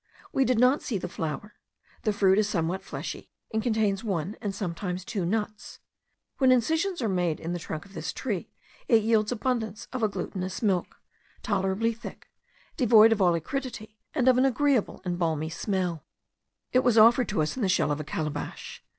We did not see the flower: the fruit is somewhat fleshy, and contains one and sometimes two nuts. When incisions are made in the trunk of this tree, it yields abundance of a glutinous milk, tolerably thick, devoid of all acridity, and of an agreeable and balmy smell. It was offered to us in the shell of a calabash.